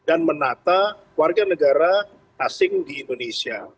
dan menata warga negara asing di indonesia